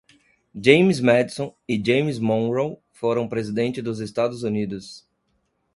James Madison e James Monroe foram presidentes do Estados Unidos.